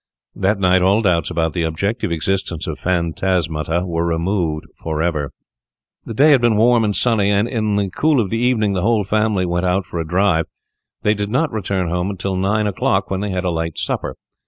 That night all doubts about the objective existence of phantasmata were removed for ever. The day had been warm and sunny; and, in the cool of the evening, the whole family went out to drive. They did not return home till nine o'clock, when they had a light supper.